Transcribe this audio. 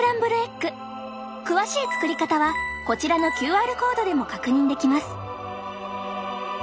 詳しい作り方はこちらのＱＲコードでも確認できます。